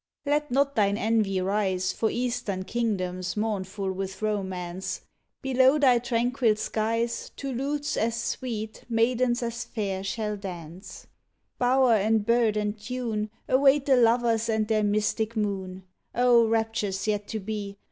Let not thine envy rise For eastern kingdoms mournful with romance Below thy tranquil skies, To lutes as sweet maidens as fair shall dance. 79 CALIFORNIA Bower and bird and tune Await the lovers and their mystic moon. O raptures yet to be!